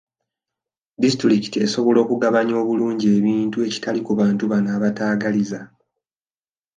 Disitulikiti esobola okugabanya obulungi ebintu ekitali ku bantu bano abataagaliza.